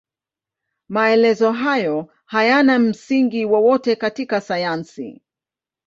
Maelezo hayo hayana msingi wowote katika sayansi.